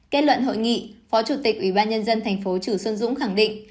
kết luận hội nghị phó chủ tịch ủy ban nhân dân thành phố chử xuân dũng khẳng định